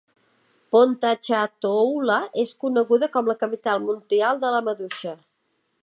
Ponchatoula és coneguda com la "capital mundial de la maduixa".